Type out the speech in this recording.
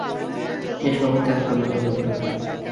এ সবই ত্যাগ করিতে হইবে।